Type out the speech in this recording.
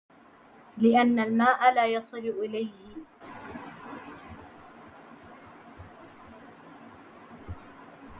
لِأَنَّ الْمَاءَ لَا يَصِلُ إلَيْهِ